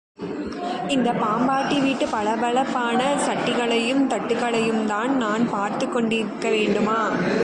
இந்தப் பாம்பாட்டி வீட்டுப் பளபளப் பான சட்டிகளையும், தட்டுகளையும்தான் நான் பார்த்துக் கொண்டிருக்க வேண்டுமா?